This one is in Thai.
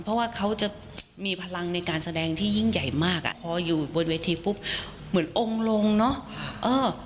เพราะว่าเขาจะมีพลังในการแสดงที่ยิ่งใหญ่มากอ่ะพออยู่บนเวทีปุ๊บเหมือนองค์ลงเนอะเออ